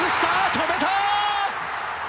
止めた！